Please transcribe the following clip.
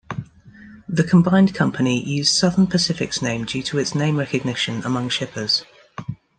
The combined company used Southern Pacific's name due to its name recognition among shippers.